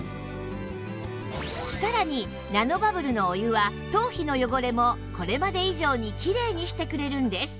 さらにナノバブルのお湯は頭皮の汚れもこれまで以上にきれいにしてくれるんです